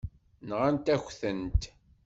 Nɣant-ak-tent.